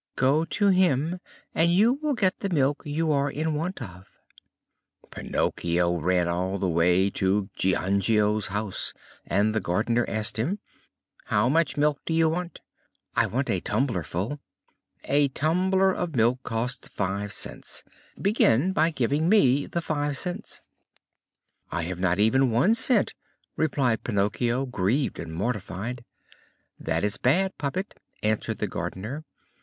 Go to him and you will get the milk you are in want of." Pinocchio ran all the way to Giangio's house, and the gardener asked him: "How much milk do you want?" "I want a tumblerful." "A tumbler of milk costs five cents. Begin by giving me the five cents." "I have not even one cent," replied Pinocchio, grieved and mortified. "That is bad, puppet," answered the gardener.